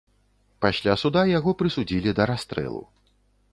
Пасля суда яго прысудзілі да расстрэлу.